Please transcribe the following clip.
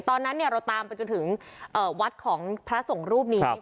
ตอนนั้นเนี่ยเราตามไปจนถึงเอ่อวัดของพระสงฆ์รูปนี้ครับ